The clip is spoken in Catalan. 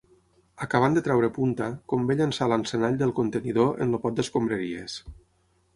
Acabant de traure punta, convé llençar l'encenall del contenidor en el pot d'escombraries.